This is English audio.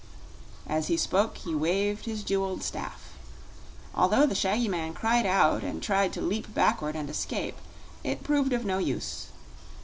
As he spoke he waved his jeweled staff. Although the shaggy man cried out and tried to leap backward and escape, it proved of no use.